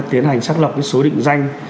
tiến hành xác lập số định danh